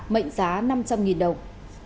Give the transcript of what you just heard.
mệnh giá năm trăm linh nghìn đồng